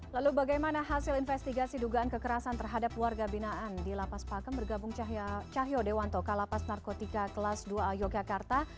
lalu bagaimana hasil investigasi dugaan kekerasan terhadap warga binaan di lapas pakem bergabung cahyo dewanto kalapas narkotika kelas dua a yogyakarta